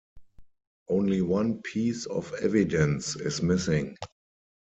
Only one piece of evidence is missing.